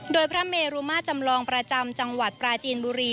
โดยพระเมรุมาจำลองประจำจังหวัดปราจีนบุรี